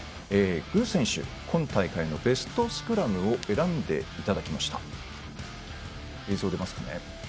具選手に今大会のベストスクラムを選んでいただきました。